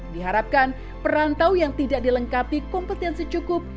diharapkan perantau yang tidak dilengkapi kompetensi cukup